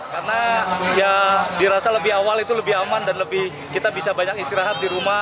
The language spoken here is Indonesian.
karena ya dirasa lebih awal itu lebih aman dan lebih kita bisa banyak istirahat di rumah